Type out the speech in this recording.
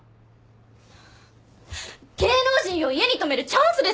芸能人を家に泊めるチャンスですよ！